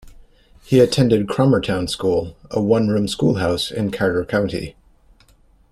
He attended Crommertown school, a one-room schoolhouse in Carter County.